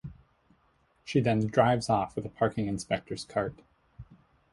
She then drives off with a parking inspector's cart.